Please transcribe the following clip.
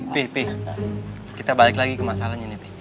pi pi kita balik lagi ke masalahnya nih pi